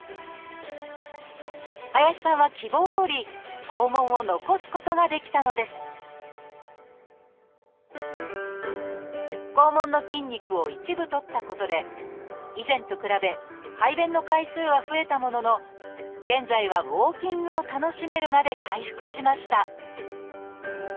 林さんは希望どおり肛門を残すことができたのです肛門の筋肉を一部取ったことで以前と比べ排便の回数は増えたものの現在はウォーキングを楽しめるまで回復しました